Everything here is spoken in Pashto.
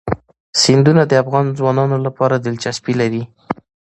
سیندونه د افغان ځوانانو لپاره دلچسپي لري.